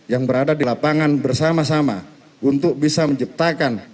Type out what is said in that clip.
yang berada di lapangan bersama sama untuk bisa menciptakan